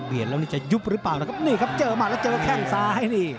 นี่ครับเจอมันแล้วเจอแข้งซ้าย